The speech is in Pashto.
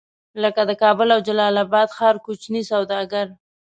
لکه د کابل او جلال اباد ښار کوچني سوداګر.